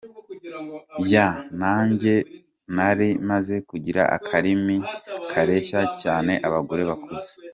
yeah nanjye nari maze kugira akarimi kareshya cyane abagore bakuze.